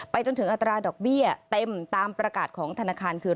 จนถึงอัตราดอกเบี้ยเต็มตามประกาศของธนาคารคือ